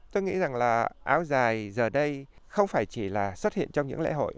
tôi nghĩ áo dài giờ đây không chỉ xuất hiện trong những lễ hội